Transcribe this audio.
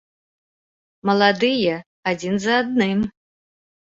Маладыя, адзін за адным.